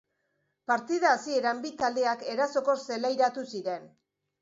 Partida hasieran bi taldeak erasokor zelairatu ziren.